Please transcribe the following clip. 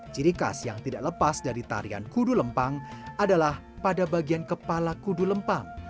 ciri khas yang tidak lepas dari tarian kudu lempang adalah pada bagian kepala kudu lempang